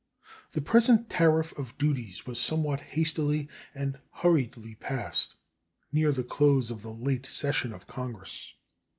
The present tariff of duties was somewhat hastily and hurriedly passed near the close of the late session of Congress.